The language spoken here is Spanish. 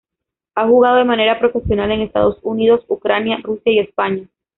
Ha jugado de manera profesional en Estados Unidos, Ucrania, Rusia y España.